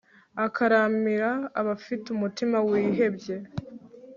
akaramira abafite umutima wihebye